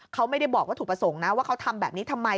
เขาไม่ได้บอกวัตถุประสงค์นะว่าเขาทำแบบนี้ทำไม